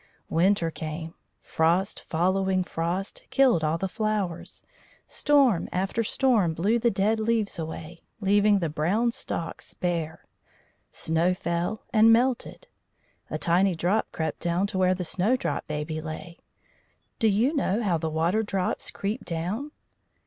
Winter came. Frost following frost killed all the flowers; storm after storm blew the dead leaves away, leaving the brown stalks bare. Snow fell, and melted. A tiny drop crept down to where the Snowdrop Baby lay. Do you know how the water drops creep down?